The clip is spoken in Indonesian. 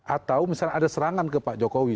atau misalnya ada serangan ke pak jokowi